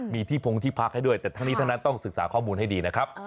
มีที่พงที่พักให้ด้วยแต่ทั้งนี้ทั้งนั้นต้องศึกษาข้อมูลให้ดีนะครับ